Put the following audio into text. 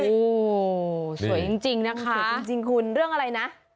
โอ้โหสวยจริงนะคะสวยจริงคุณเรื่องอะไรนะ